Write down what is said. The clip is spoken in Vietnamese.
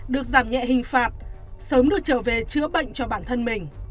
được giảm nhẹ hình phạt sớm được trở về chữa bệnh cho bản thân mình